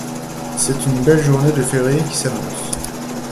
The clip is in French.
C'est une belle journée de février qui s'annonce.